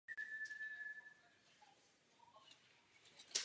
Věřím, že budete souhlasit s tím, co jsem řekl.